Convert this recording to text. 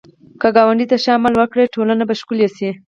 که ګاونډي ته ښه عمل وکړې، ټولنه به ښکلې شي